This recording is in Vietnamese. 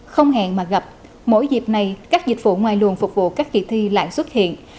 không hẹn mà gặp mỗi dịp này các dịch vụ ngoài luồng phục vụ các kỳ thi lại xuất hiện